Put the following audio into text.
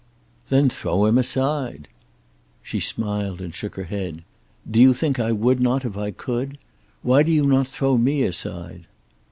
"Then throw him aside." She smiled and shook her head. "Do you think I would not if I could? Why do you not throw me aside?"